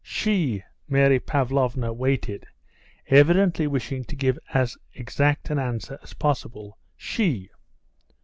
"She?" Mary Pavlovna waited, evidently wishing to give as exact an answer as possible. "She?